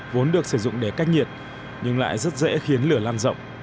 vốn được sử dụng để cách nhiệt nhưng lại rất dễ khiến lửa lan rộng